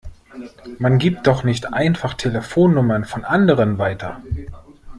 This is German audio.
Man gibt doch nicht einfach Telefonnummern von anderen weiter!